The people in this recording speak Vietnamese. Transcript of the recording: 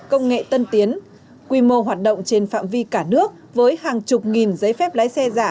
công nghệ tân tiến quy mô hoạt động trên phạm vi cả nước với hàng chục nghìn giấy phép lái xe giả